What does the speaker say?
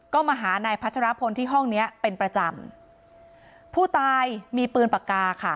ก็มาหานายพัชรพลที่ห้องเนี้ยเป็นประจำผู้ตายมีปืนปากกาค่ะ